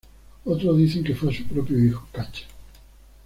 Otros dicen que fue a su propio hijo Cacha.